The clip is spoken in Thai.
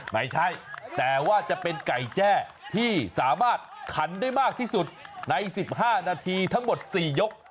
ไม่ใช่แต่ว่าจะเป็นไก่แจ้ที่สามารถขันได้มากที่สุดใน๑๕นาทีทั้งหมด๔ยก